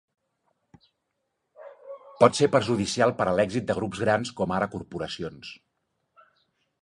Pot ser perjudicial per a l'èxit de grups grans com ara corporacions.